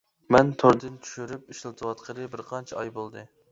مەن توردىن چۈشۈرۈپ ئىشلىتىۋاتقىلى بىرقانچە ئاي بولدى.